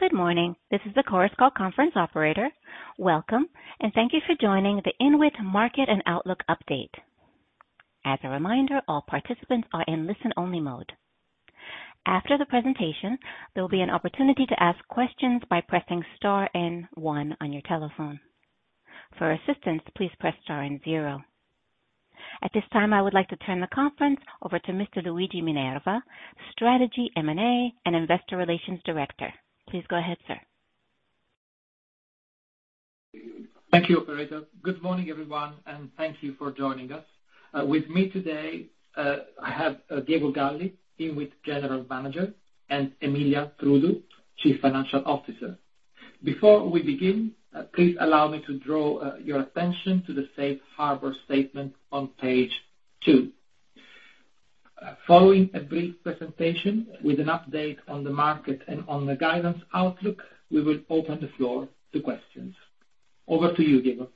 Good morning. This is the Chorus Call Conference operator. Welcome, and thank you for joining the Inwit Market and Outlook Update. As a reminder, all participants are in listen-only mode. After the presentation, there will be an opportunity to ask questions by pressing star and one on your telephone. For assistance, please press star and zero. At this time, I would like to turn the conference over to Mr. Luigi Minerva, Strategy, M&A and Investor Relations Director. Please go ahead, sir. Thank you, operator. Good morning, everyone, and thank you for joining us. With me today, I have Diego Galli, Inwit General Manager, and Emilia Trudu, Chief Financial Officer. Before we begin, please allow me to draw your attention to the safe harbor statement on page two. Following a brief presentation with an update on the market and on the guidance outlook, we will open the floor to questions. Over to you, Diego.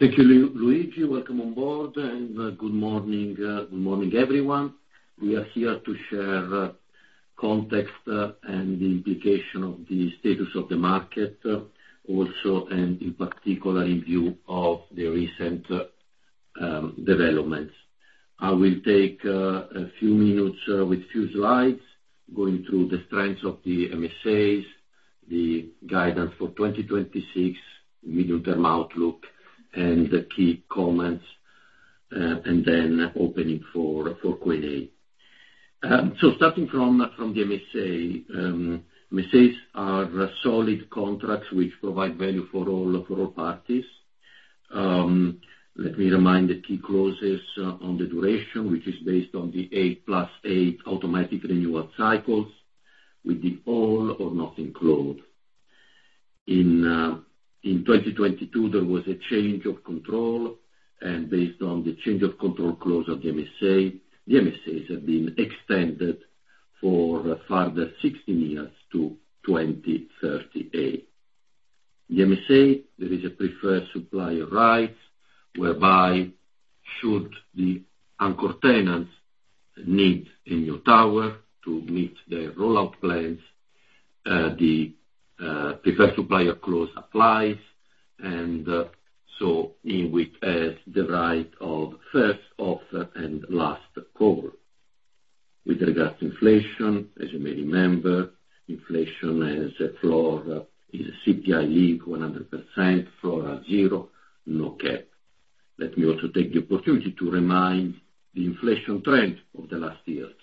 Thank you, Luigi. Welcome on board and good morning, everyone. We are here to share context and the implication of the status of the market also, and in particular, in view of the recent developments. I will take a few minutes with few slides going through the strengths of the MSAs, the guidance for 2026, medium-term outlook and the key comments, and then opening for Q&A. Starting from the MSA. MSAs are solid contracts which provide value for all parties. Let me remind the key clauses on the duration, which is based on the 8+8 automatic renewal cycles with the all or nothing clause. In 2022, there was a change of control. Based on the change of control clause of the MSA, the MSAs have been extended for a further 60 years to 2038. The MSA, there is a preferred supplier rights whereby should the anchor tenants need a new tower to meet their rollout plans, the preferred supplier clause applies. Inwit has the right of first offer and right of last refusal. With regard to inflation, as you may remember, inflation has a floor, is CPI-linked 100%, floor at zero, no cap. Let me also take the opportunity to remind the inflation trend of the last years.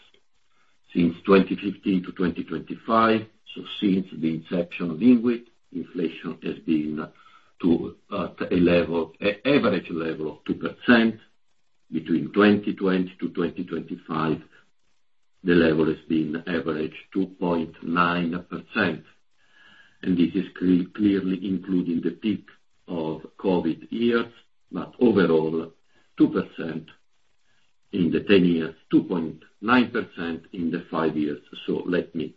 Since 2015-2025, so since the inception of Inwit, inflation has been to an average level of 2%. Between 2020-2025, the level has been average 2.9%. This is clearly including the peak of COVID years, but overall 2% in the 10 years, 2.9% in the five years. Let me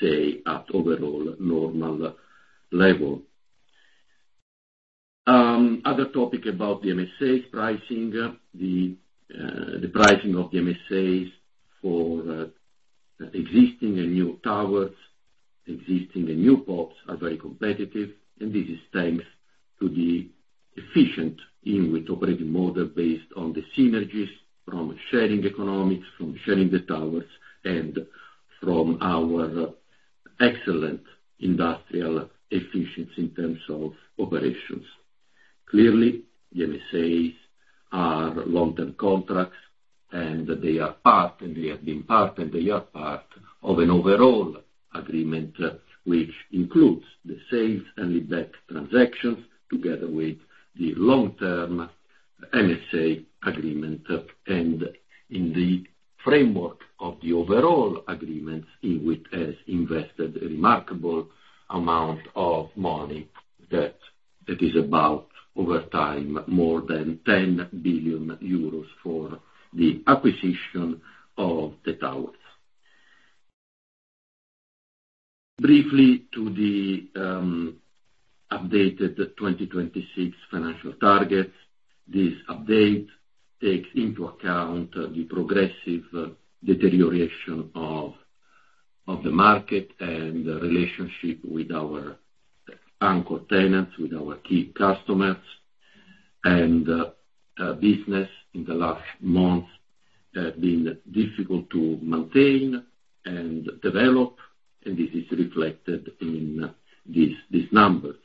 say at overall normal level. Other topic about the MSAs pricing. The pricing of the MSAs for existing and new towers, existing and new PoPs are very competitive. This is thanks to the efficient Inwit operating model based on the synergies from sharing economics, from sharing the towers, and from our excellent industrial efficiency in terms of operations. Clearly, the MSAs are long-term contracts, and they are part of an overall agreement which includes the sale and leaseback transactions together with the long-term MSA agreement. In the framework of the overall agreement, Inwit has invested a remarkable amount of money that is about over time more than 10 billion euros for the acquisition of the towers. Briefly, to the updated 2026 financial targets. This update takes into account the progressive deterioration of the market and the relationship with our anchor tenants, with our key customers. Business in the last months have been difficult to maintain and develop, and this is reflected in these numbers.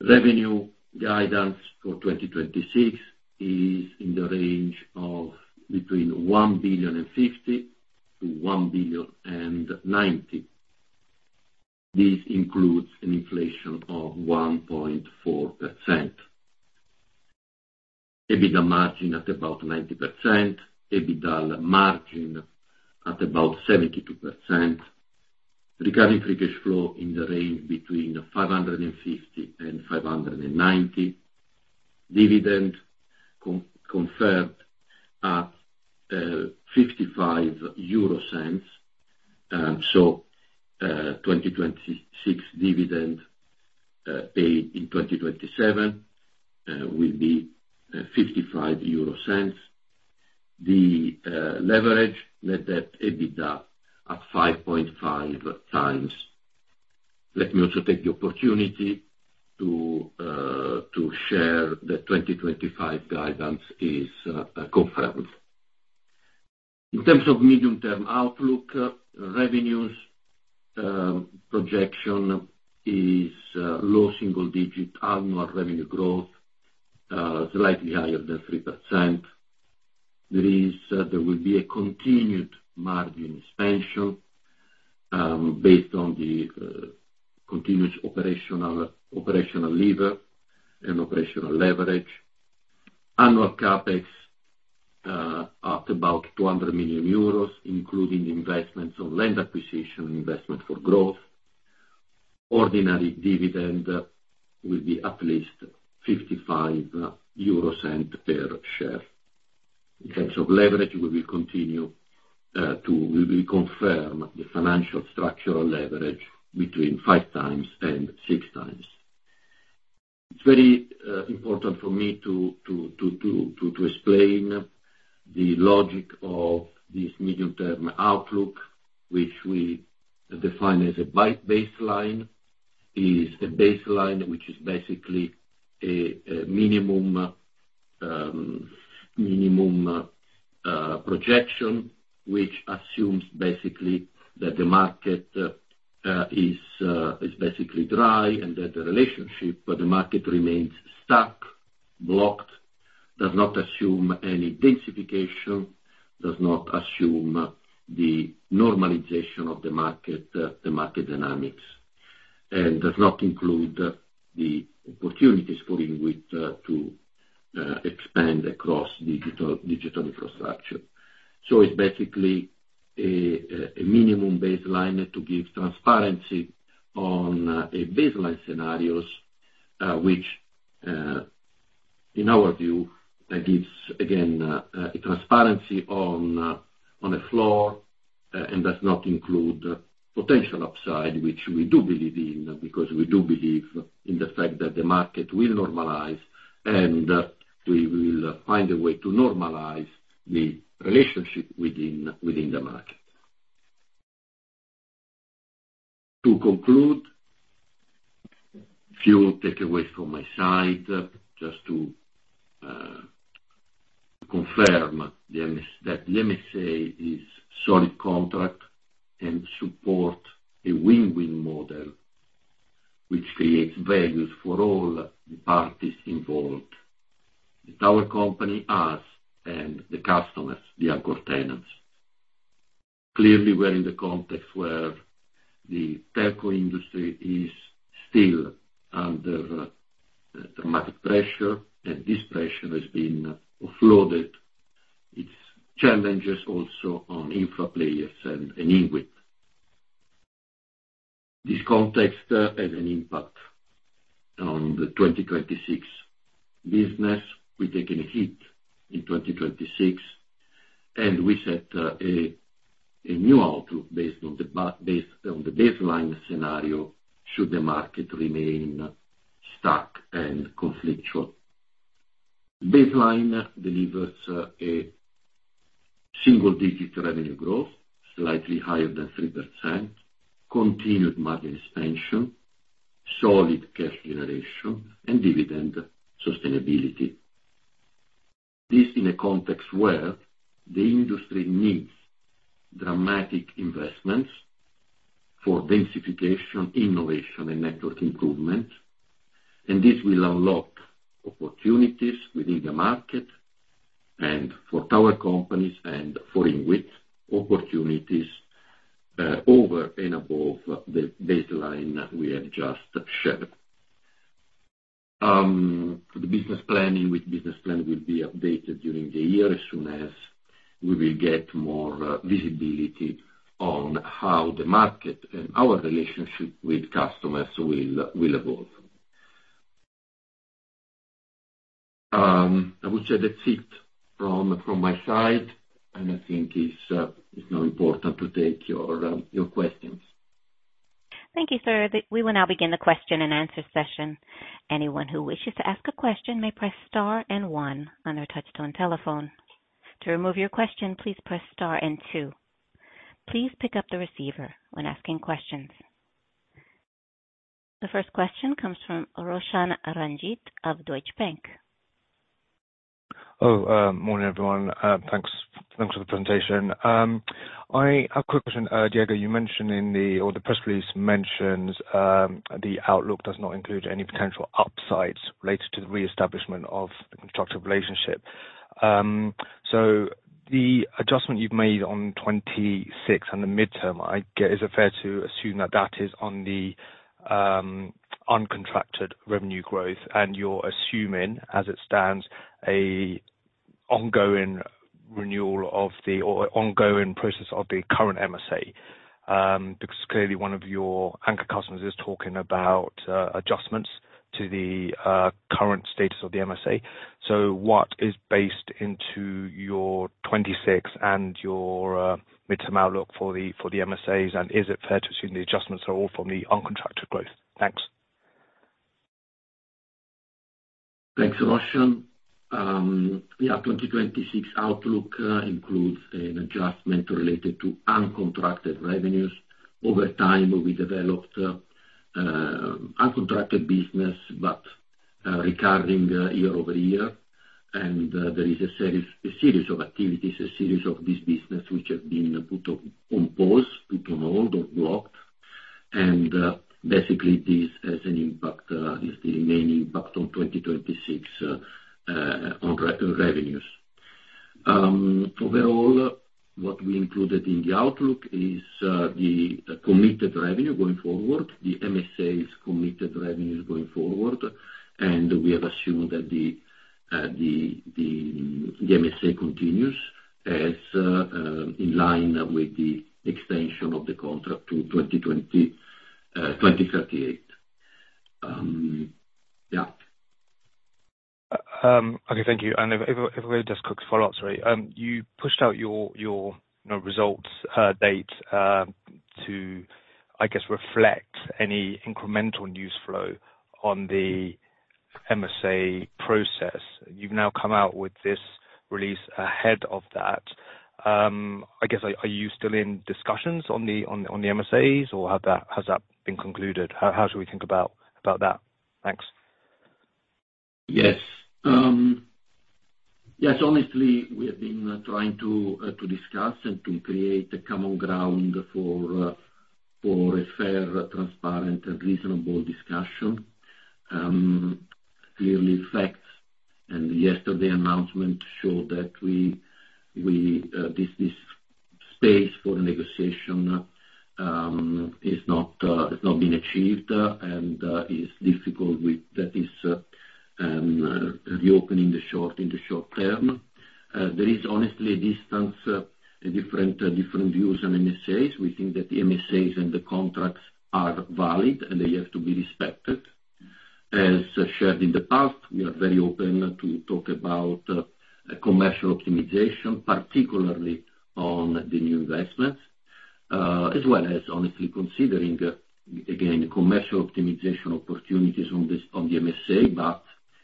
Revenue guidance for 2026 is in the range of between 1.05 billion and 1.09 billion. This includes an inflation of 1.4%. EBITDA margin at about 90%. EBITDA margin at about 72%. Regarding free cash flow in the range between 550 million and 590 million. Dividend confirmed at 0.55. 2026 dividend paid in 2027 will be EUR 0.55. Leverage net debt to EBITDA at 5.5x. Let me also take the opportunity to share the 2025 guidance is confirmed. In terms of medium term outlook, revenues projection is low single digit annual revenue growth, slightly higher than 3%. There will be a continued margin expansion, based on the continuous operational leverage. Annual CapEx at about 200 million euros, including investments on land acquisition, investment for growth. Ordinary dividend will be at least 0.55 per share. In case of leverage, we will continue to confirm the financial structural leverage between 5x and 6x. It's very important for me to explain the logic of this medium term outlook, which we define as a baseline. It is a baseline which is basically a minimum projection, which assumes basically that the market is basically dry, and that the relationship for the market remains stuck, blocked, does not assume any densification, does not assume the normalization of the market, the market dynamics, and does not include the opportunities for Inwit to expand across digital infrastructure. It's basically a minimum baseline to give transparency on baseline scenarios, which in our view gives again a transparency on a floor and does not include potential upside, which we do believe in, because we do believe in the fact that the market will normalize and we will find a way to normalize the relationship within the market. To conclude, few takeaways from my side, just to confirm that the MSA is solid contract and support a win-win model which creates values for all the parties involved. The tower company, us and the customers, the anchor tenants. Clearly, we're in the context where the telco industry is still under dramatic pressure, and this pressure has been offloaded, its challenges also on infra players and in Inwit. This context has an impact on the 2026 business. We've taken a hit in 2026, and we set a new outlook based on the baseline scenario should the market remain stuck and conflictual. Baseline delivers a single digit revenue growth slightly higher than 3%, continued margin expansion, solid cash generation and dividend sustainability. This in a context where the industry needs dramatic investments for densification, innovation and network improvement. This will unlock opportunities within the market and for tower companies and for Inwit opportunities over and above the baseline we have just shared. The business planning with business plan will be updated during the year as soon as we will get more visibility on how the market and our relationship with customers will evolve. I would say that's it from my side, and I think it's now important to take your questions. Thank you, sir. We will now begin the question and answer session. Anyone who wishes to ask a question may press star and one on their touchtone telephone. To remove your question, please press star and two. Please pick up the receiver when asking questions. The first question comes from Roshan Ranjit of Deutsche Bank. Oh, morning, everyone. Thanks for the presentation. I have a quick question. Diego, you mentioned, or the press release mentions, the outlook does not include any potential upsides related to the reestablishment of the constructive relationship. The adjustment you've made on 2026 and the midterm, is it fair to assume that is on the uncontracted revenue growth, and you're assuming, as it stands, an ongoing renewal or ongoing process of the current MSA, because clearly one of your anchor tenants is talking about adjustments to the current status of the MSA. What is baked into your 2026 and your midterm outlook for the MSAs? Is it fair to assume the adjustments are all from the uncontracted growth? Thanks. Thanks, Roshan. Yeah, 2026 outlook includes an adjustment related to uncontracted revenues. Over time, we developed uncontracted business, but recurring year over year. There is a series of activities, a series of this business which have been put on pause, put on hold or blocked. Basically this has an impact, this remaining impact on 2026 on revenues. Overall, what we included in the outlook is the committed revenue going forward, the MSA's committed revenues going forward. We have assumed that the MSA continues as in line with the extension of the contract to 2038. Yeah. Okay, thank you. If I could just quick follow-up. Sorry. You pushed out your you know results date to, I guess, reflect any incremental news flow on the MSA process. You've now come out with this release ahead of that. I guess, are you still in discussions on the MSAs, or has that been concluded? How should we think about that? Thanks. Yes. Yes, honestly, we have been trying to discuss and to create a common ground for a fair, transparent and reasonable discussion. Clearly, facts and yesterday's announcement showed that this space for negotiation has not been achieved and is difficult, that is, reopening in the short term. There is honestly a distance, different views on MSAs. We think that the MSAs and the contracts are valid and they have to be respected. As shared in the past, we are very open to talk about commercial optimization, particularly on the new investments, as well as honestly considering, again, commercial optimization opportunities on the MSA, but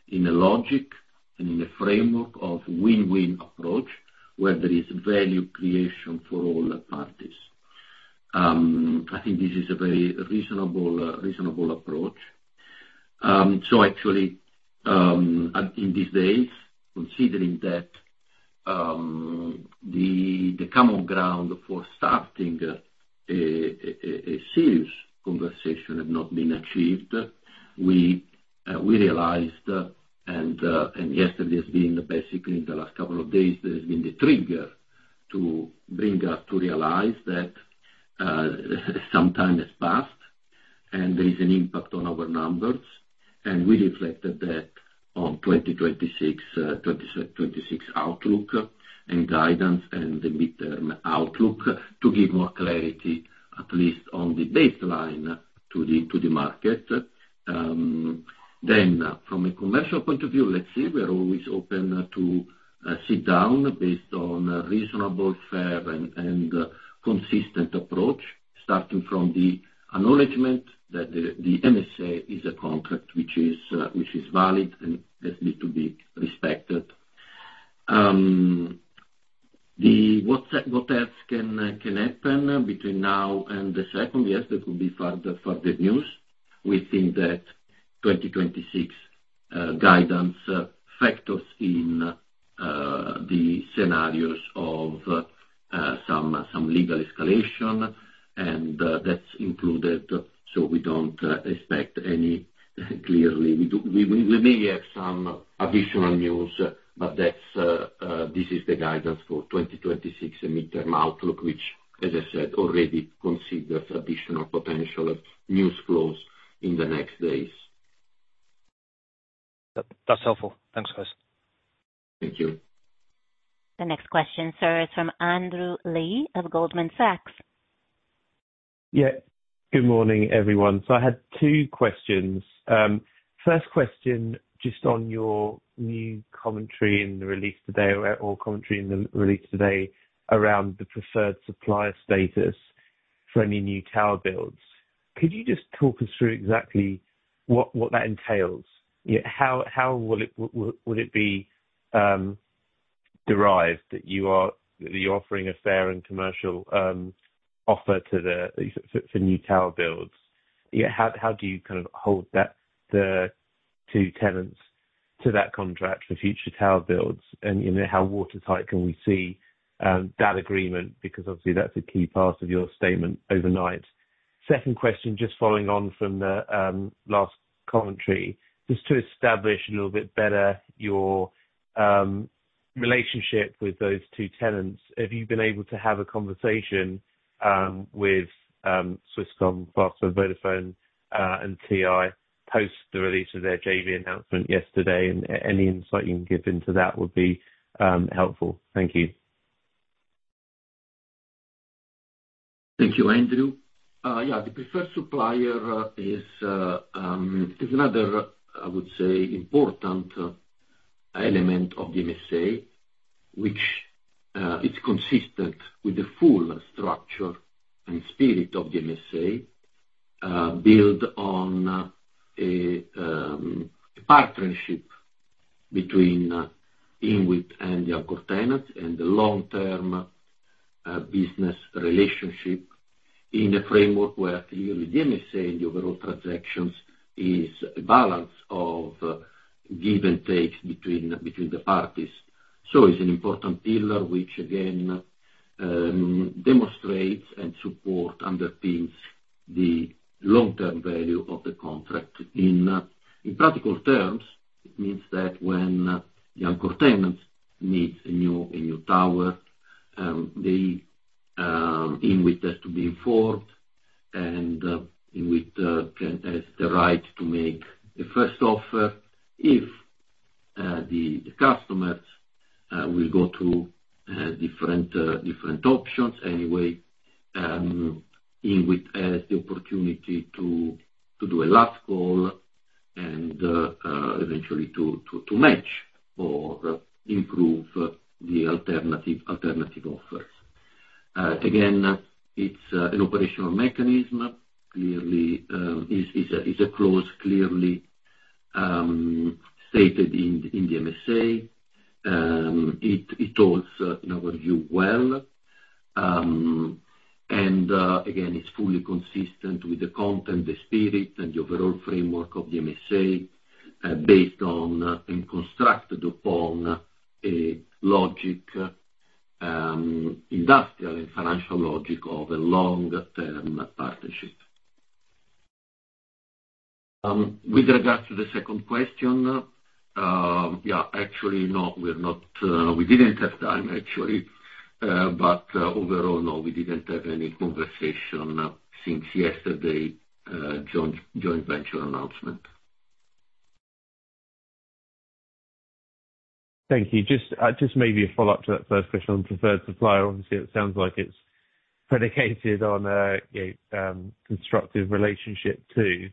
in a logical and in a framework of win-win approach where there is value creation for all parties. I think this is a very reasonable approach. Actually, in these days, considering that the common ground for starting a serious conversation had not been achieved. We realized and yesterday has been basically the last couple of days there has been the trigger to bring us to realize that some time has passed and there is an impact on our numbers, and we reflected that on 2026 outlook and guidance and the midterm outlook to give more clarity, at least on the baseline to the market. From a commercial point of view, let's see, we're always open to sit down based on reasonable, fair and consistent approach, starting from the acknowledgement that the MSA is a contract which is valid and has to be respected. What else can happen between now and the second yesterday could be further news. We think that 2026 guidance factors in the scenarios of some legal escalation, and that's included. We don't expect any clearly. We may have some additional news, but that's this is the guidance for 2026 midterm outlook, which as I said, already considers additional potential news flows in the next days. That's helpful. Thanks, guys. Thank you. The next question, sir, is from Andrew Lee of Goldman Sachs. Yeah. Good morning, everyone. I had two questions. First question, just on your new commentary in the release today around the preferred supplier status for any new tower builds. Could you just talk us through exactly what that entails? You know, how would it be derived that you're offering a fair and commercial offer for new tower builds? Yeah, how do you kind of hold the two tenants to that contract for future tower builds? You know, how watertight can we see that agreement? Because obviously, that's a key part of your statement overnight. Second question, just following on from the last commentary, just to establish a little bit better your relationship with those two tenants. Have you been able to have a conversation with Swisscom, Fastweb, Vodafone, and TI post the release of their JV announcement yesterday? Any insight you can give into that would be helpful. Thank you. Thank you, Andrew. Yeah, the preferred supplier is another, I would say, important element of the MSA, which is consistent with the full structure and spirit of the MSA, built on a partnership between Inwit and the anchor tenant and the long-term business relationship in a framework where clearly the MSA and the overall transactions is a balance of give and takes between the parties. It's an important pillar, which again demonstrates and supports, underpins the long-term value of the contract. In practical terms, it means that when the anchor tenant needs a new tower, Inwit has to be informed and Inwit has the right to make the first offer. If the customers will go through different options anyway, Inwit has the opportunity to do a last call and eventually to match or improve the alternative offers. Again, it's an operational mechanism. Clearly, it's a clause clearly stated in the MSA. It holds, in our view, well. Again, it's fully consistent with the content, the spirit, and the overall framework of the MSA, based on and constructed upon a logic, industrial and financial logic of a long-term partnership. With regard to the second question, yeah, actually, no, we're not. We didn't have time actually. Overall, no, we didn't have any conversation since yesterday, joint venture announcement. Thank you. Just maybe a follow-up to that first question on preferred supplier. Obviously, it sounds like it's predicated on a constructive relationship too.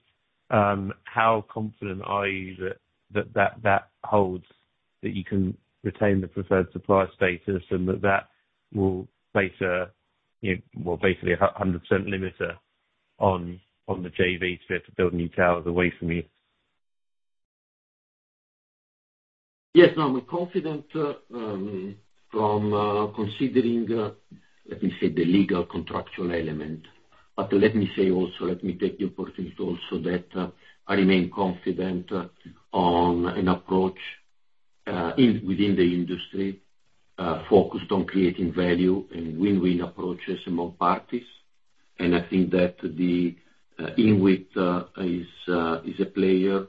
How confident are you that holds, that you can retain the preferred supplier status and that that will place a well, basically a 100% limiter on the JV to have to build new towers away from you? Yes. No, I'm confident, considering the legal contractual element. Let me say also, let me take the opportunity also that I remain confident on an approach in the industry focused on creating value and win-win approaches among parties. I think that Inwit is a player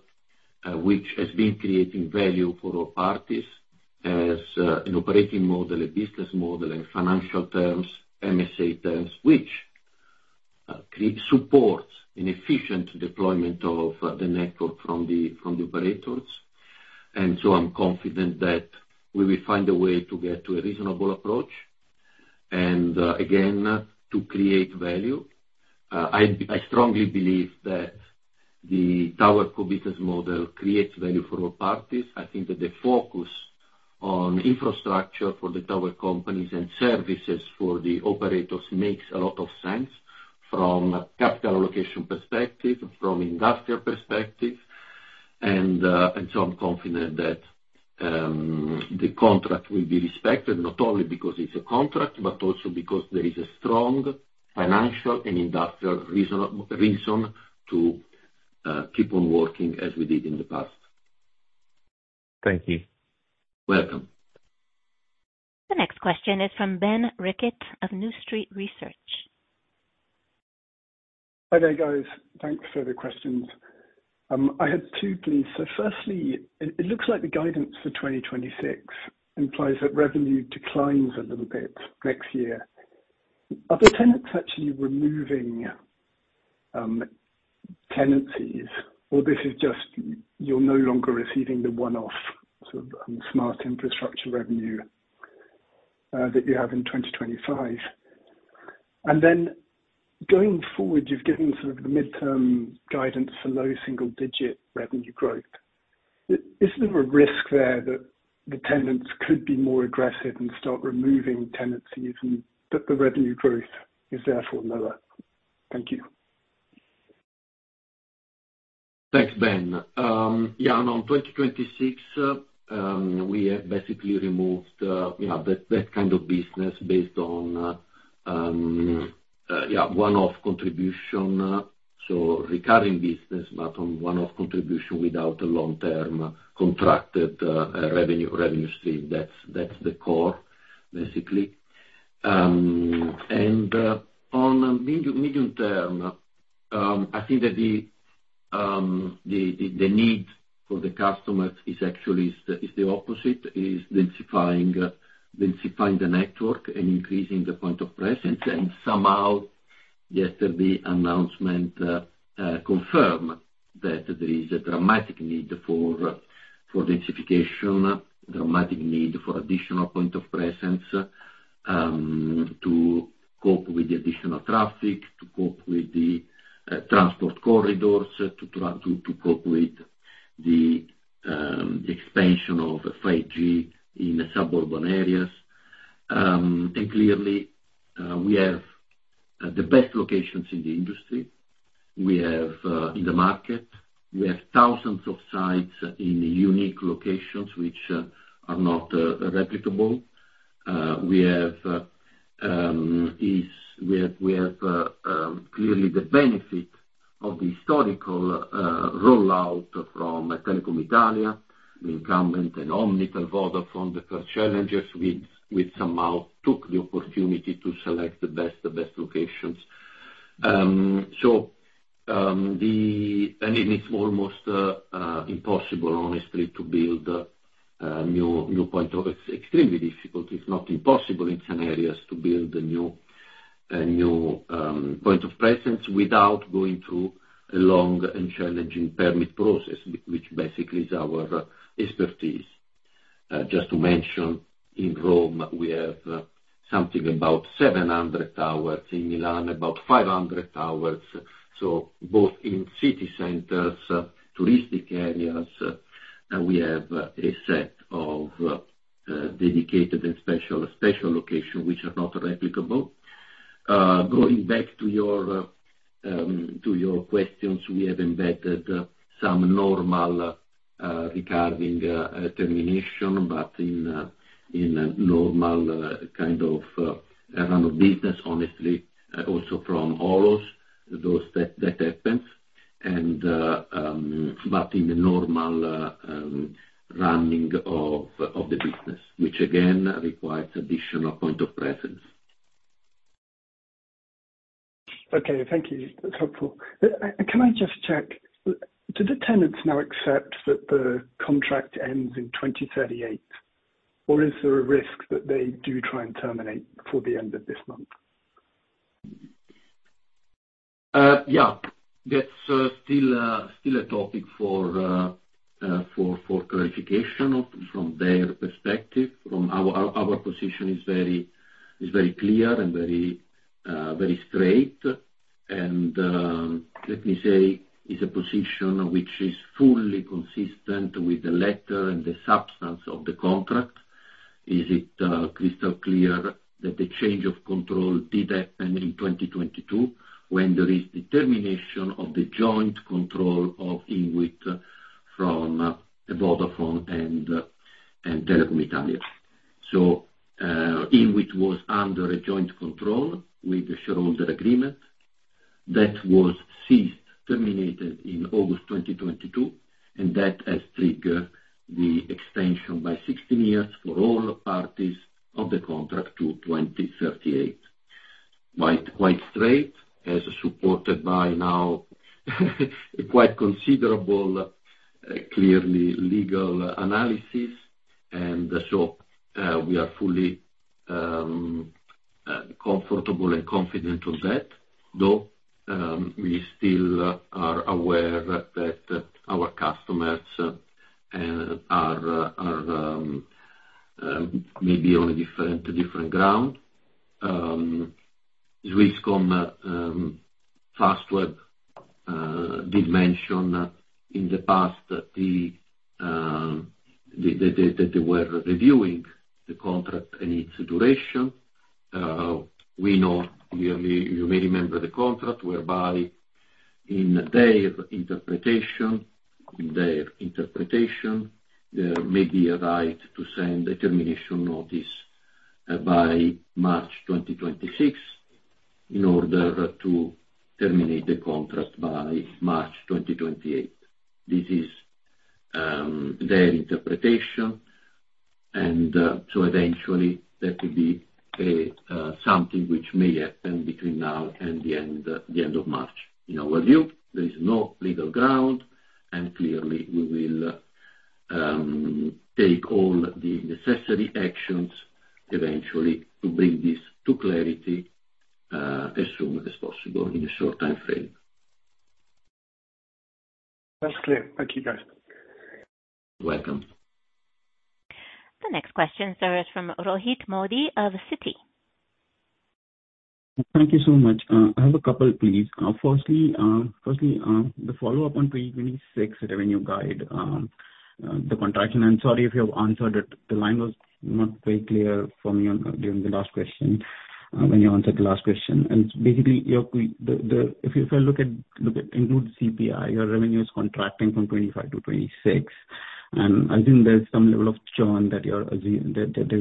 which has been creating value for all parties as an operating model, a business model in financial terms, MSA terms, which create support in efficient deployment of the network from the operators. I'm confident that we will find a way to get to a reasonable approach and again to create value. I strongly believe that the tower co-business model creates value for all parties. I think that the focus on infrastructure for the tower companies and services for the operators makes a lot of sense from a capital allocation perspective, from industrial perspective. I'm confident that the contract will be respected, not only because it's a contract, but also because there is a strong financial and industrial reason to keep on working as we did in the past. Thank you. Welcome. The next question is from Ben Rickett of New Street Research. Hi there, guys. Thanks for the questions. I had two, please. Firstly, it looks like the guidance for 2026 implies that revenue declines a little bit next year. Are the tenants actually removing tenancies, or this is just you're no longer receiving the one-off sort of smart infrastructure revenue that you have in 2025? Then going forward, you've given sort of the midterm guidance for low single digit revenue growth. Is there a risk there that the tenants could be more aggressive and start removing tenancies and that the revenue growth is therefore lower? Thank you. Thanks, Ben. Yeah, on 2026, we have basically removed, yeah, that kind of business based on, yeah, one-off contribution, so recurring business, but on one-off contribution without a long-term contracted revenue stream. That's the core basically. On medium term, I think that the need for the customers is actually the opposite, is densifying the network and increasing the point of presence. Somehow yesterday announcement confirmed that there is a dramatic need for densification, dramatic need for additional point of presence, to cope with the additional traffic, to cope with the transport corridors, to cope with the expansion of 5G in the suburban areas. Clearly, we have the best locations in the industry. We have in the market thousands of sites in unique locations which are not replicable. We have clearly the benefit of the historical rollout from Telecom Italia, the incumbent, and Omnitel Vodafone. The first challengers we somehow took the opportunity to select the best locations. It's extremely difficult, if not impossible in some areas, to build a new point of presence without going through a long and challenging permit process, which basically is our expertise. Just to mention, in Rome we have something about 700 towers, in Milan about 500 towers. Both in city centers, touristic areas, we have a set of dedicated and special locations which are not replicable. Going back to your questions, we have embedded some normal regarding termination, but in a normal kind of run of business, honestly, also from all those that happens. But in the normal running of the business, which again requires additional point of presence. Okay, thank you. That's helpful. Can I just check, do the tenants now accept that the contract ends in 2038 or is there a risk that they do try and terminate before the end of this month? Yeah. That's still a topic for clarification from their perspective. Our position is very clear and very straight. Let me say, is a position which is fully consistent with the letter and the substance of the contract. It is crystal clear that the change of control did happen in 2022 when there is determination of the joint control of Inwit from Vodafone and Telecom Italia. Inwit was under a joint control with the shareholder agreement that was ceased, terminated in August 2022, and that has triggered the extension by 16 years for all parties of the contract to 2038. Quite straight, as supported by now quite considerable clearly legal analysis. We are fully comfortable and confident on that, though we still are aware that our customers are maybe on a different ground. Swisscom, Fastweb did mention in the past that they were reviewing the contract and its duration. We know clearly you may remember the contract whereby in their interpretation there may be a right to send a termination notice by March 2026 in order to terminate the contract by March 2028. This is their interpretation. Eventually that will be something which may happen between now and the end of March. In our view, there is no legal ground and clearly we will take all the necessary actions eventually to bring this to clarity, as soon as possible in a short time frame. That's clear. Thank you, guys. Welcome. The next question comes from Rohit Modi of Citi. Thank you so much. I have a couple, please. Firstly, the follow-up on 2026 revenue guide, the contraction. I'm sorry if you have answered it. The line was not quite clear for me during the last question, when you answered the last question. Basically, if you look at including CPI, your revenue is contracting from 2025-2026. I think there's some level of churn that you're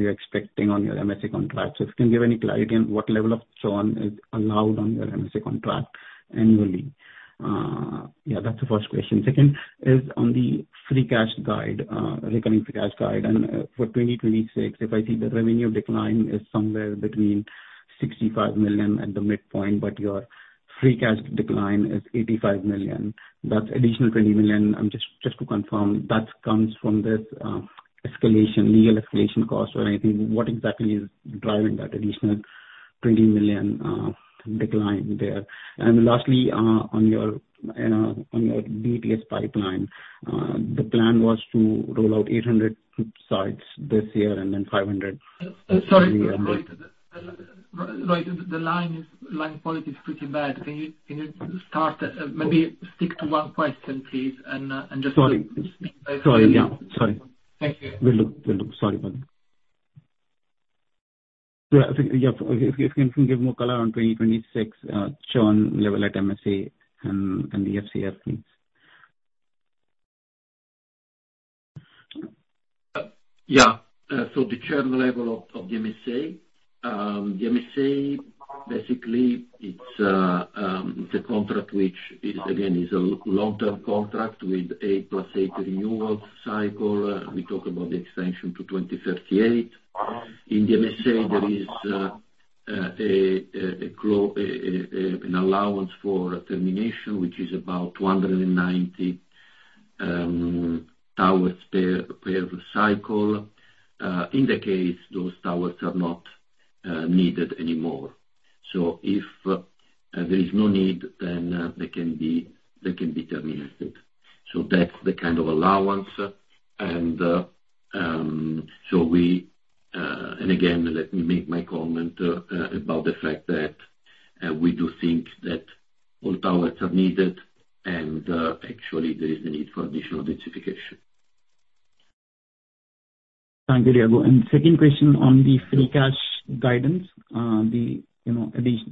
expecting on your MSA contract. So if you can give any clarity on what level of churn is allowed on your MSA contract annually? Yeah, that's the first question. Second is on the free cash guide, recurring free cash guide. For 2026, if I see the revenue decline is somewhere between 65 million at the midpoint, but your free cash decline is 85 million. That's additional 20 million. Just to confirm, that comes from this escalation, legal escalation cost or anything, what exactly is driving that additional 20 million decline there. Lastly, on your BTS pipeline, the plan was to roll out 800 sites this year and then 500. Sorry, Rohit. Rohit, line quality is pretty bad. Can you start, maybe stick to one question, please, and just. Sorry. Thank you. Will do. Sorry about that. Yeah. If you can give more color on 2026, churn level at MSA and the FCF, please. Yeah. So the churn level of the MSA. The MSA basically it's a contract which is again a long-term contract with 8 + 8 renewal cycle. We talk about the extension to 2038. In the MSA, there is an allowance for termination, which is about 290 towers per cycle. In the case those towers are not needed anymore. So if there is no need, then they can be terminated. So that's the kind of allowance. Again, let me make my comment about the fact that we do think that all towers are needed and actually there is a need for additional densification. Thank you, Diego. Second question on the free cash guidance. You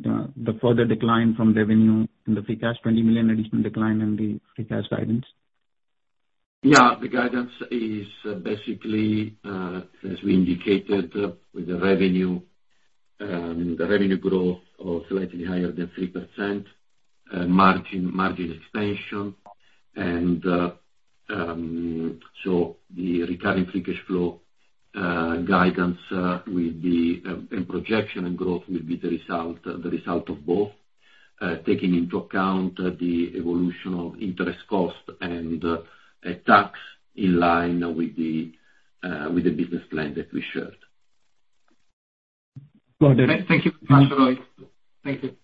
know, the further decline from revenue and the free cash, 20 million additional decline in the free cash guidance. Yeah. The guidance is basically as we indicated with the revenue, the revenue growth of slightly higher than 3%, margin expansion. The recurring free cash flow guidance and projection and growth will be the result of both taking into account the evolution of interest cost and tax in line with the business plan that we shared. Thank you. Thank you.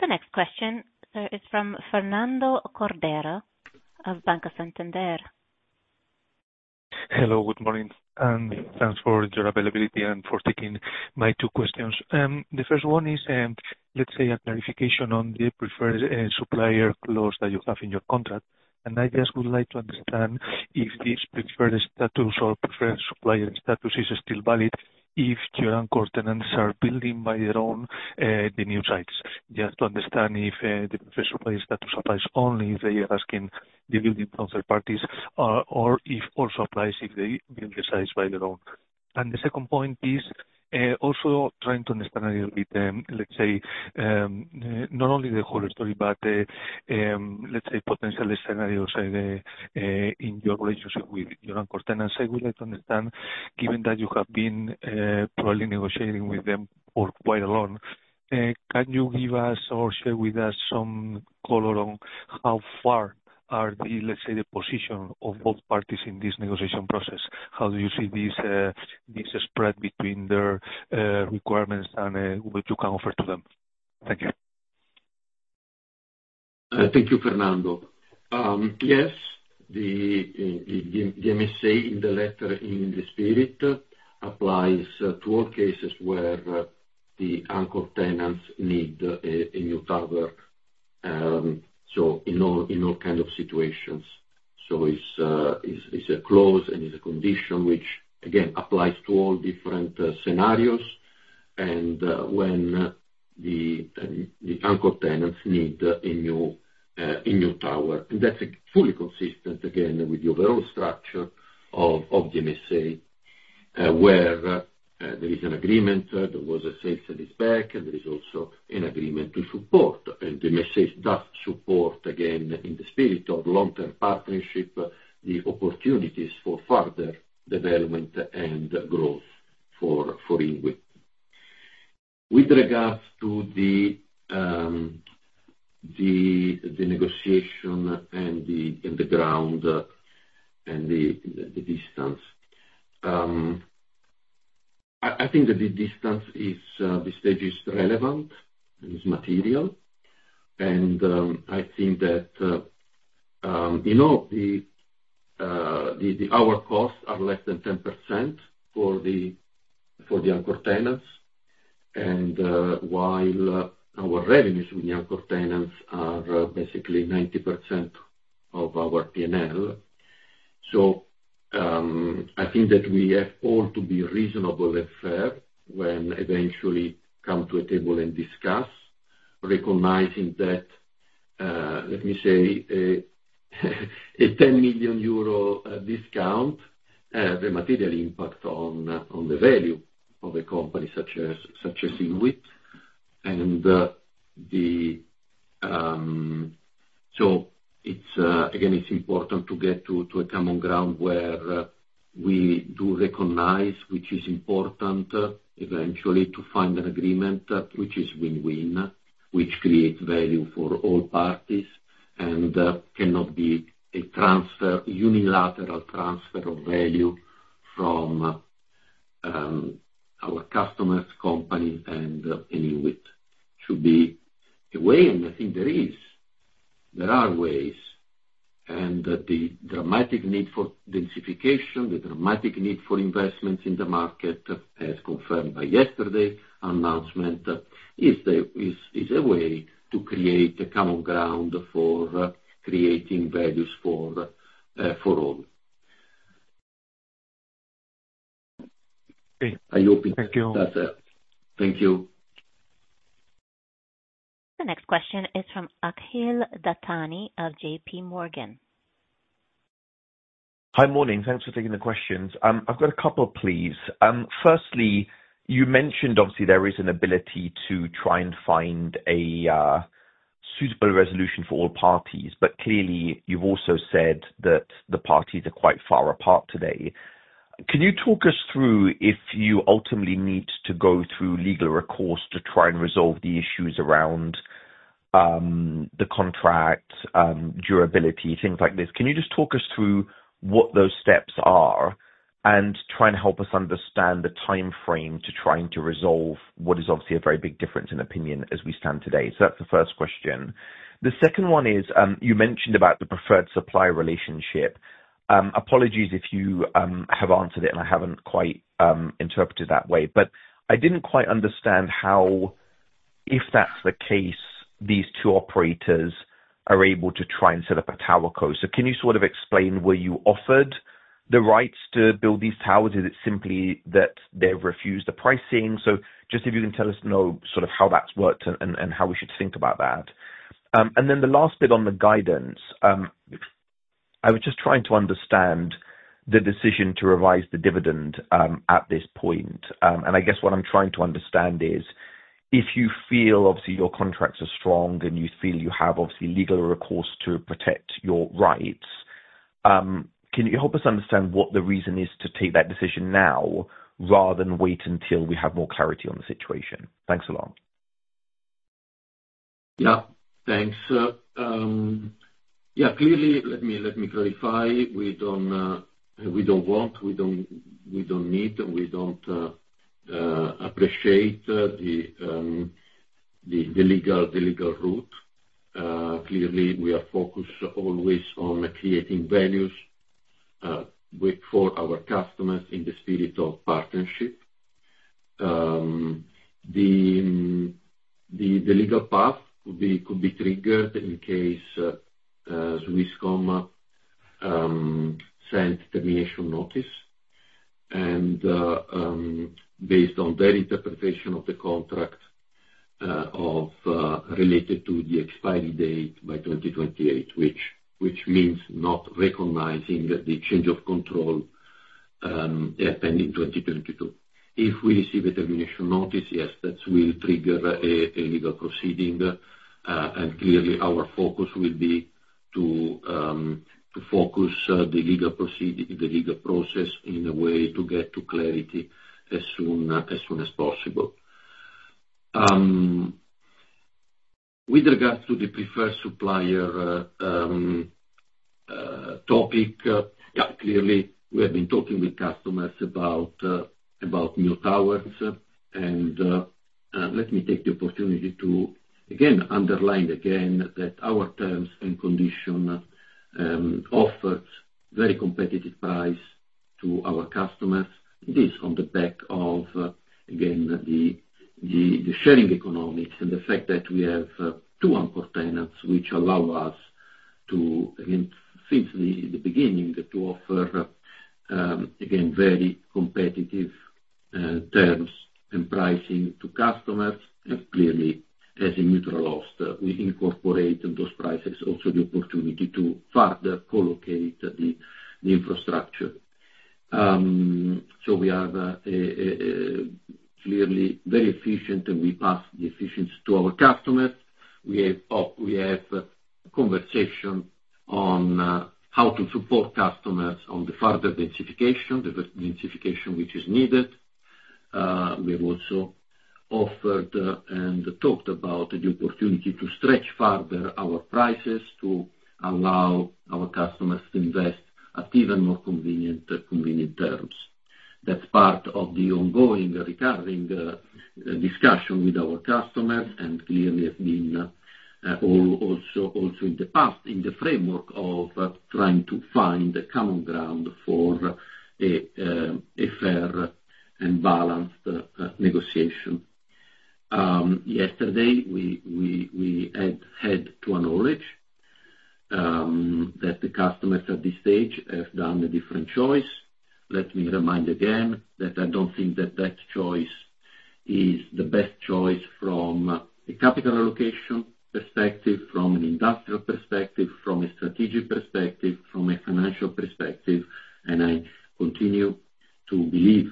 The next question is from Fernando Cordero of Banco Santander. Hello, good morning, and thanks for your availability and for taking my two questions. The first one is, let's say a clarification on the preferred supplier clause that you have in your contract. I just would like to understand if this preferred status or preferred supplier status is still valid if your anchor tenants are building by their own the new sites. Just to understand if the preferred supplier status applies only if they are asking the building from third parties or if also applies if they build the sites by their own. The second point is also trying to understand a little bit, let's say, not only the whole story, but let's say potential scenario, say, in your relationship with your anchor tenants. I would like to understand, given that you have been probably negotiating with them for quite a long, can you give us or share with us some color on how far are the, let's say, the position of both parties in this negotiation process? How do you see this spread between their, requirements and, what you can offer to them? Thank you. Thank you Fernando. Yes, the MSA in the letter, in the spirit applies to all cases where the anchor tenants need a new tower. In all kind of situations. It's a clause and it's a condition which again applies to all different scenarios and when the anchor tenants need a new tower. That's fully consistent again with the overall structure of the MSA where there is an agreement, there was a sale and leaseback, and there is also an agreement to support. The MSA does support, again, in the spirit of long-term partnership, the opportunities for further development and growth for Inwit. With regards to the negotiation and the ground and the distance. I think that the stage is relevant and is material. I think that, you know, our costs are less than 10% for the anchor tenants. While our revenues with the anchor tenants are basically 90% of our P&L. I think that we have all to be reasonable and fair when eventually come to a table and discuss, recognizing that, let me say, a 10 million euro discount. The material impact on the value of a company such as Inwit. It's again important to get to a common ground where we do recognize which is important eventually to find an agreement which is win-win, which creates value for all parties. Cannot be a unilateral transfer of value from our customers, company and Inwit. Should be a way, and I think there is. There are ways. The dramatic need for densification, the dramatic need for investments in the market, as confirmed by yesterday's announcement, is a way to create a common ground for creating values for all. Okay. I hope it. Thank you. Thank you. The next question is from Akhil Dattani of J.P. Morgan. Hi, morning. Thanks for taking the questions. I've got a couple, please. Firstly, you mentioned obviously there is an ability to try and find a suitable resolution for all parties, but clearly you've also said that the parties are quite far apart today. Can you talk us through if you ultimately need to go through legal recourse to try and resolve the issues around the contract durability, things like this? Can you just talk us through what those steps are and try and help us understand the timeframe to trying to resolve what is obviously a very big difference in opinion as we stand today? That's the first question. The second one is, you mentioned about the preferred supplier relationship. Apologies if you have answered it, and I haven't quite interpreted that way. I didn't quite understand how, if that's the case, these two operators are able to try and set up a tower co. Can you sort of explain, were you offered the rights to build these towers? Is it simply that they've refused the pricing? Just if you can tell us, you know, sort of how that's worked and how we should think about that. And then the last bit on the guidance. I was just trying to understand the decision to revise the dividend at this point. And I guess what I'm trying to understand is if you feel obviously your contracts are strong and you feel you have obviously legal recourse to protect your rights, can you help us understand what the reason is to take that decision now rather than wait until we have more clarity on the situation? Thanks a lot. Yeah. Thanks. Yeah, clearly let me clarify. We don't want, we don't need, and we don't appreciate the legal route. Clearly we are focused always on creating values for our customers in the spirit of partnership. The legal path could be triggered in case Swisscom send termination notice. Based on their interpretation of the contract related to the expiry date by 2028, which means not recognizing the change of control happening in 2022. If we receive a termination notice, yes, that will trigger a legal proceeding. Clearly our focus will be to focus the legal proceeding. The legal process in a way to get to clarity as soon as possible. With regards to the preferred supplier topic, yeah, clearly we have been talking with customers about new towers. Let me take the opportunity to again underline that our terms and conditions offer very competitive prices to our customers. It is on the back of, again, the sharing economics and the fact that we have two anchor tenants which allow us to, again, since the beginning, to offer, again, very competitive terms and pricing to customers. Clearly as a neutral host, we incorporate in those prices also the opportunity to further co-locate the infrastructure. We are clearly very efficient, and we pass the efficiency to our customers. We have conversation on how to support customers on the further densification, the densification which is needed. We have also offered and talked about the opportunity to stretch further our prices to allow our customers to invest at even more convenient terms. That's part of the ongoing recurring discussion with our customers, and clearly have been also in the past in the framework of trying to find a common ground for a fair and balanced negotiation. Yesterday, we had to acknowledge that the customers at this stage have done a different choice. Let me remind again that I don't think that choice is the best choice from a capital allocation perspective, from an industrial perspective, from a strategic perspective, from a financial perspective. I continue to believe,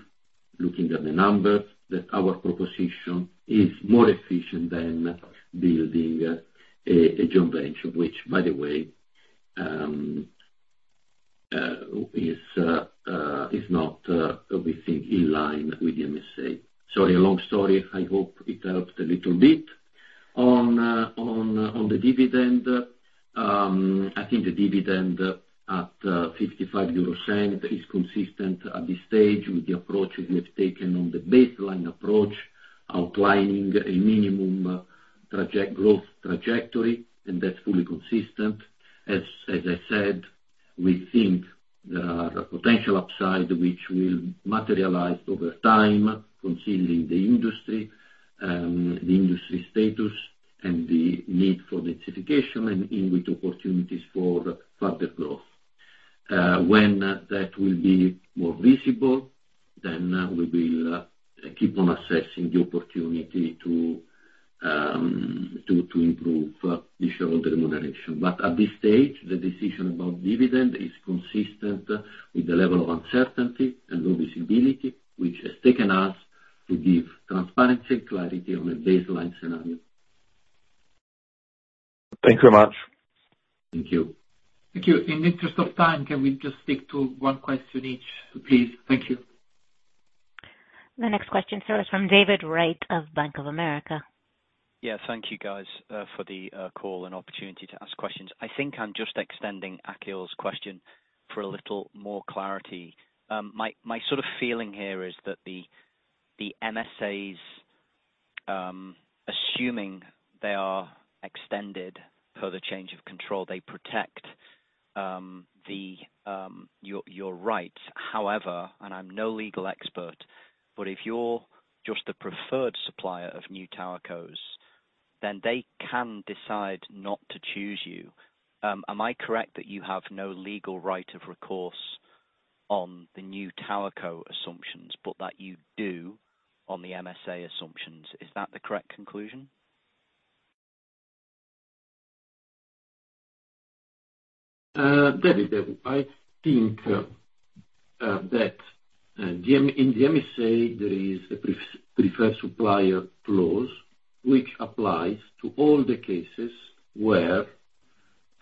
looking at the numbers, that our proposition is more efficient than building a joint venture, which by the way, is not, we think, in line with the MSA. Sorry, a long story. I hope it helped a little bit. On the dividend. I think the dividend at 0.55 is consistent at this stage with the approach we have taken on the baseline approach, outlining a minimum growth trajectory, and that's fully consistent. As I said, we think there are a potential upside which will materialize over time, considering the industry, the industry status and the need for densification and Inwit opportunities for further growth. When that will be more visible, then we will keep on assessing the opportunity to improve shareholder remuneration. At this stage, the decision about dividend is consistent with the level of uncertainty and low visibility which has taken us to give transparency and clarity on a baseline scenario. Thank you very much. Thank you. Thank you. In the interest of time, can we just stick to one question each, please? Thank you. The next question is from David Wright of Bank of America. Yeah. Thank you guys for the call and opportunity to ask questions. I think I'm just extending Akhil's question for a little more clarity. My sort of feeling here is that the MSAs, assuming they are extended per the change of control, they protect your rights. However, and I'm no legal expert, but if you're just the preferred supplier of new TowerCos, then they can decide not to choose you. Am I correct that you have no legal right of recourse on the new TowerCo assumptions, but that you do on the MSA assumptions? Is that the correct conclusion? David, I think that DM in the MSA there is a preferred supplier clause which applies to all the cases where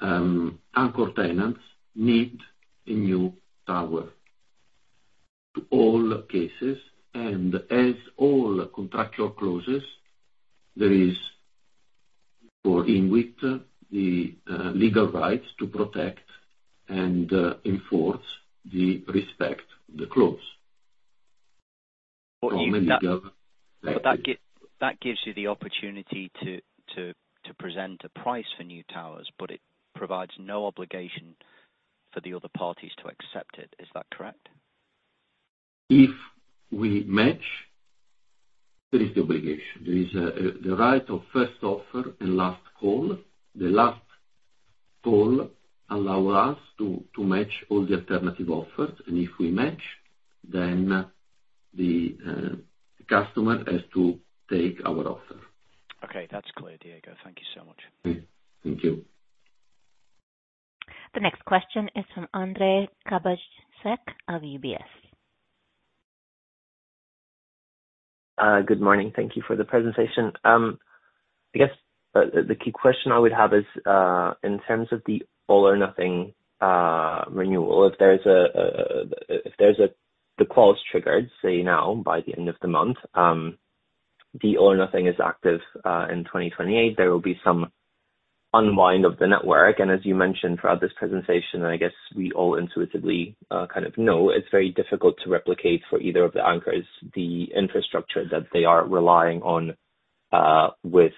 anchor tenants need a new tower. To all cases. As all contractual clauses there is for Inwit the legal rights to protect and enforce respect of the clause. That gives you the opportunity to present a price for new towers, but it provides no obligation for the other parties to accept it. Is that correct? If we match, there is the obligation. There is, the right of first offer and last refusal. The last refusal allow us to match all the alternative offers, and if we match, then the customer has to take our offer. Okay. That's clear, Diego. Thank you so much. Thank you. The next question is from Ondrej Cabejsek of UBS. Good morning. Thank you for the presentation. I guess the key question I would have is in terms of the all or nothing renewal, if there's the clause triggered, say now by the end of the month, the all or nothing is active in 2028, there will be some unwind of the network. As you mentioned throughout this presentation, I guess we all intuitively kind of know it's very difficult to replicate for either of the anchors the infrastructure that they are relying on with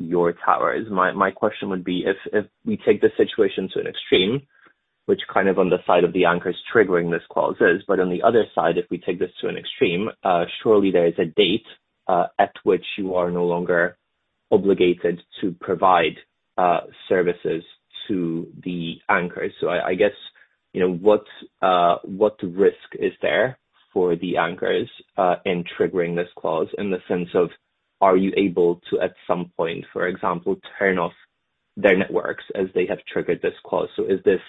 your towers. My question would be if we take this situation to an extreme, which kind of on the side of the anchors triggering these clauses, but on the other side, if we take this to an extreme, surely there is a date at which you are no longer obligated to provide services to the anchors. I guess, you know, what risk is there for the anchors in triggering this clause in the sense of are you able to at some point, for example, turn off their networks as they have triggered this clause? Is this,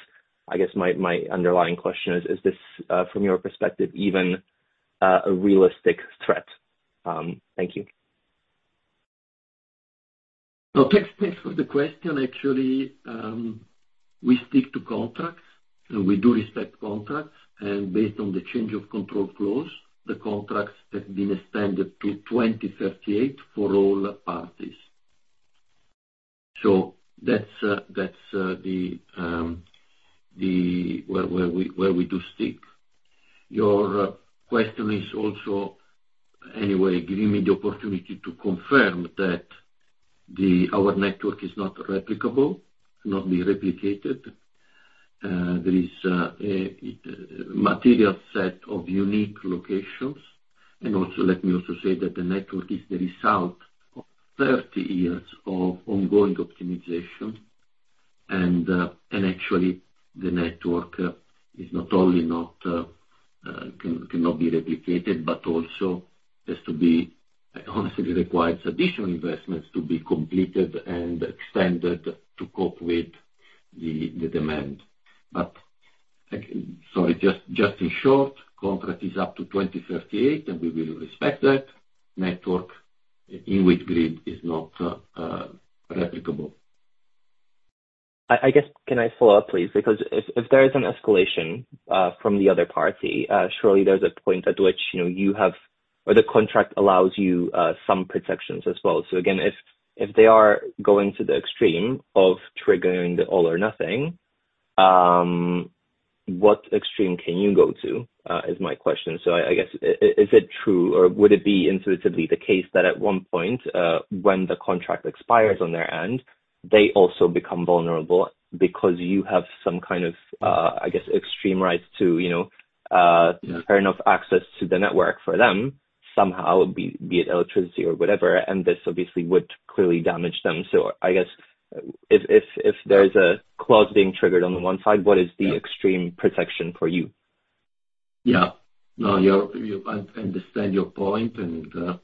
I guess my underlying question is this from your perspective even a realistic threat? Thank you. Thanks for the question. Actually, we stick to contracts. We do respect contracts, and based on the change of control clause, the contracts have been extended to 2038 for all parties. That's where we do stick. Your question is also anyway giving me the opportunity to confirm that our network is not replicable, cannot be replicated. There is a material set of unique locations. Also, let me also say that the network is the result of 30 years of ongoing optimization. Actually the network is not only cannot be replicated, but also honestly requires additional investments to be completed and extended to cope with the demand. Just in short, contract is up to 2038, and we will respect that. Network in which grid is not replicable. I guess, can I follow up please? Because if there is an escalation from the other party, surely there's a point at which, you know, you have or the contract allows you some protections as well. Again, if they are going to the extreme of triggering the all or nothing, what extreme can you go to? Is my question. I guess, is it true or would it be intuitively the case that at one point, when the contract expires on their end, they also become vulnerable because you have some kind of, I guess, extreme rights to, you know. Yeah. Fair enough access to the network for them, somehow be it electricity or whatever, and this obviously would clearly damage them. I guess if there's a clause being triggered on the one side, what is the extreme protection for you? Yeah. No, I understand your point and,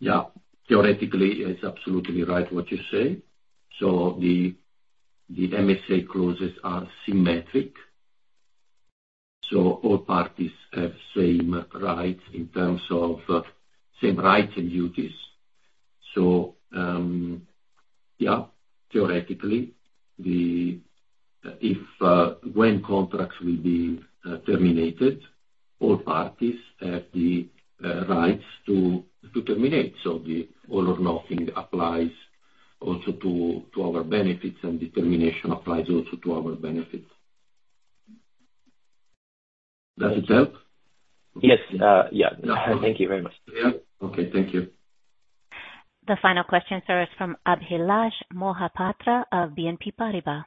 yeah, theoretically it's absolutely right what you say. The MSA clauses are symmetric, so all parties have same rights in terms of same rights and duties. Theoretically, if, when contracts will be terminated, all parties have the rights to terminate. The all or nothing applies also to our benefits, and the termination applies also to our benefit. Does it help? Yes. Yeah. Thank you very much. Yeah. Okay. Thank you. The final question, sir, is from Abhilash Mohapatra of BNP Paribas.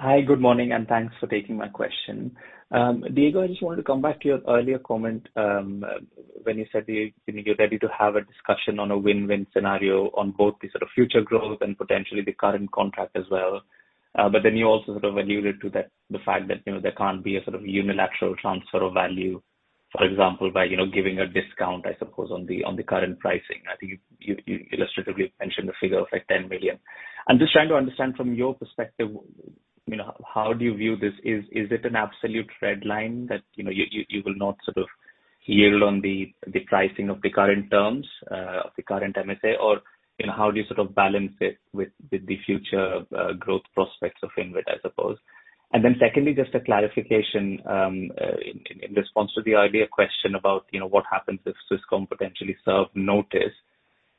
Hi. Good morning, and thanks for taking my question. Diego, I just wanted to come back to your earlier comment, when you said you think you're ready to have a discussion on a win-win scenario on both the sort of future growth and potentially the current contract as well. But then you also sort of alluded to the fact that, you know, there can't be a sort of unilateral transfer of value, for example, by, you know, giving a discount, I suppose, on the current pricing. I think you illustratively mentioned the figure of, like, 10 million. I'm just trying to understand from your perspective, you know, how do you view this? Is it an absolute red line that, you know, you will not sort of yield on the pricing of the current terms of the current MSA? Or, you know, how do you sort of balance it with the future growth prospects of Inwit, I suppose? Secondly, just a clarification, in response to the earlier question about, you know, what happens if Swisscom potentially serve notice.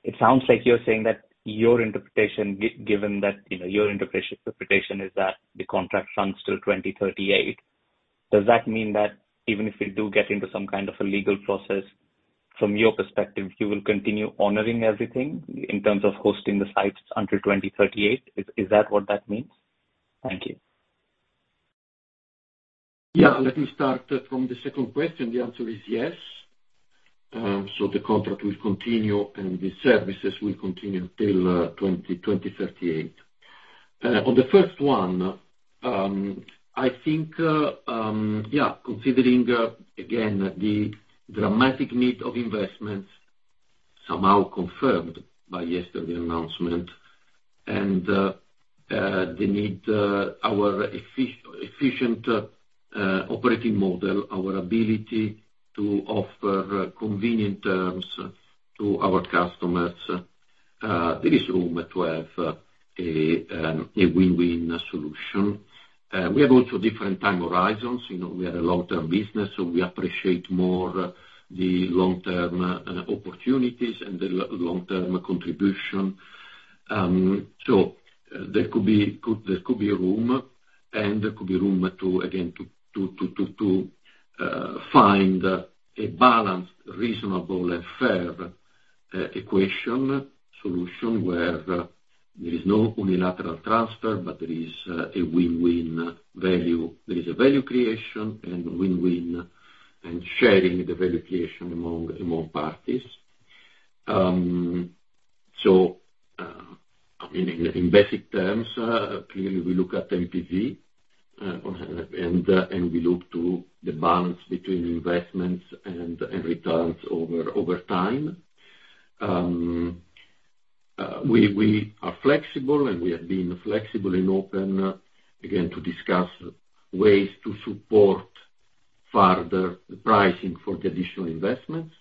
It sounds like you're saying that your interpretation given that, you know, your interpretation is that the contract runs till 2038. Does that mean that even if we do get into some kind of a legal process, from your perspective, you will continue honoring everything in terms of hosting the sites until 2038? Is that what that means? Thank you. Yeah. Let me start from the second question. The answer is yes. So the contract will continue and the services will continue till 2038. On the first one, I think, yeah, considering again the dramatic need of investments somehow confirmed by yesterday announcement and the need our efficient operating model, our ability to offer convenient terms to our customers, there is room to have a win-win solution. We have also different time horizons. You know, we are a long-term business, so we appreciate more the long-term opportunities and the long-term contribution. There could be room to again find a balanced, reasonable and fair equitable solution where there is no unilateral transfer, but there is a win-win value. There is a value creation and win-win and sharing the value creation among parties. I mean, in basic terms, clearly we look at NPV, and we look to the balance between investments and returns over time. We are flexible and we have been flexible and open, again, to discuss ways to support further pricing for the additional investments.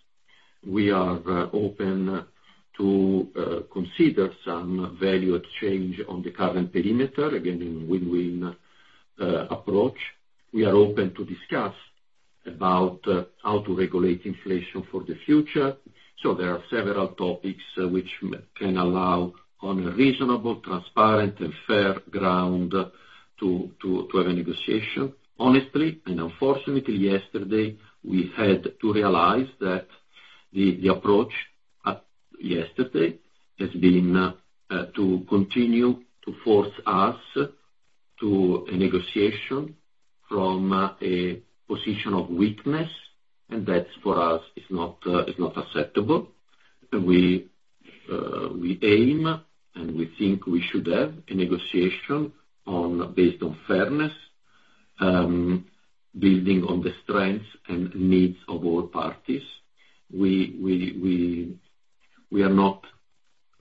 We are open to consider some value exchange on the current perimeter, again, in win-win approach. We are open to discuss about how to regulate inflation for the future. There are several topics which can allow on a reasonable, transparent and fair ground to have a negotiation. Honestly and unfortunately yesterday we had to realize that the approach yesterday has been to continue to force us to a negotiation from a position of weakness, and that for us is not acceptable. We aim and we think we should have a negotiation based on fairness, building on the strengths and needs of all parties. We are not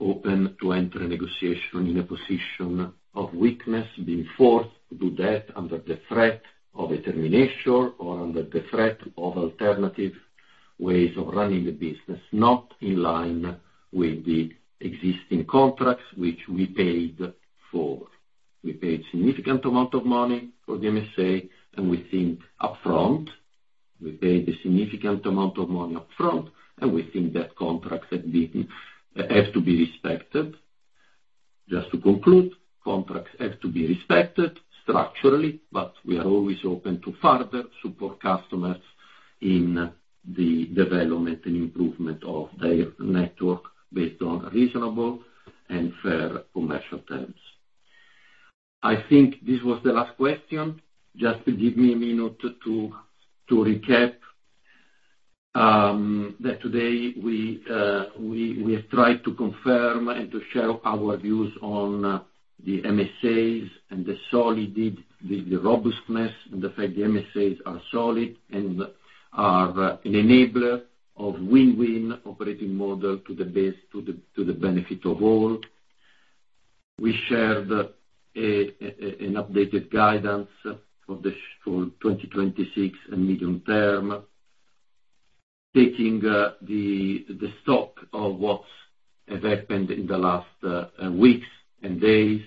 open to enter a negotiation in a position of weakness, being forced to do that under the threat of a termination or under the threat of alternative ways of running the business, not in line with the existing contracts which we paid for. We paid significant amount of money for the MSA, and we think upfront. We paid a significant amount of money upfront, and we think that contract has to be respected. Just to conclude, contracts have to be respected structurally, but we are always open to further support customers in the development and improvement of their network based on reasonable and fair commercial terms. I think this was the last question. Just give me a minute to recap that today we have tried to confirm and to share our views on the MSAs and the solidity, the robustness, and the fact the MSAs are solid and are an enabler of win-win operating model to the benefit of all. We shared an updated guidance for 2026 and medium term, taking the stock of what has happened in the last weeks and days.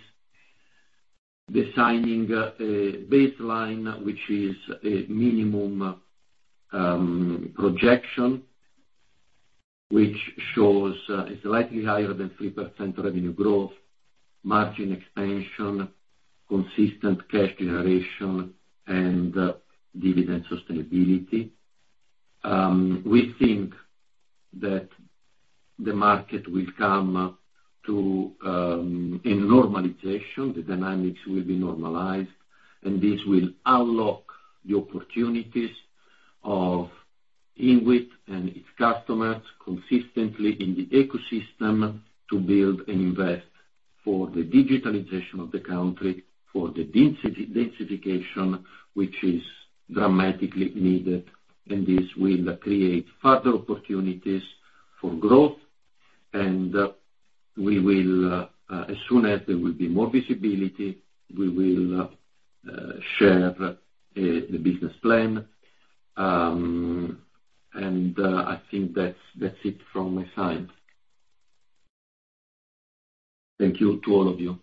Setting a baseline which is a minimum projection, which shows slightly higher than 3% revenue growth, margin expansion, consistent cash generation and dividend sustainability. We think that the market will come to a normalization. The dynamics will be normalized, and this will unlock the opportunities of Inwit and its customers consistently in the ecosystem to build and invest for the digitalization of the country, for the densification, which is dramatically needed, and this will create further opportunities for growth. We will, as soon as there will be more visibility, we will share the business plan. I think that's it from my side. Thank you to all of you.